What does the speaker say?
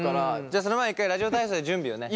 じゃあその前に一回ラジオ体操で準備をね。